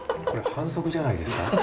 これ反則じゃないですか？